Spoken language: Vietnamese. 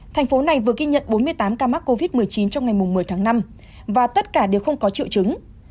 thành phố này vừa ghi nhận bốn mươi tám ca mắc covid một mươi chín trong ngày một mươi tháng năm và tất cả đều không có triệu chứng